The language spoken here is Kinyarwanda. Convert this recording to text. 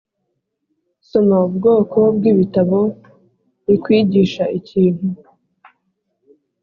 soma ubwoko bwibitabo bikwigisha ikintu.